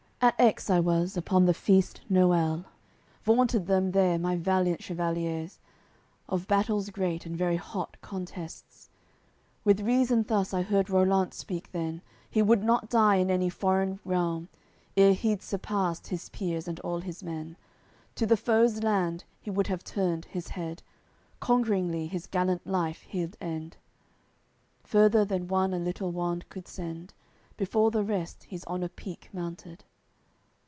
At Aix I was, upon the feast Noel, Vaunted them there my valiant chevaliers, Of battles great and very hot contests; With reason thus I heard Rollant speak then: He would not die in any foreign realm Ere he'd surpassed his peers and all his men. To the foes' land he would have turned his head, Conqueringly his gallant life he'ld end." Further than one a little wand could send, Before the rest he's on a peak mounted.